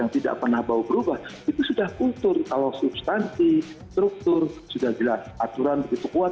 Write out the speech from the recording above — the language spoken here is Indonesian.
tidak pernah bau berubah itu sudah kultur kalau substansi struktur sudah jelas aturan begitu kuat